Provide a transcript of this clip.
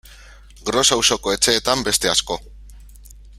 Gros auzoko etxeetan beste asko.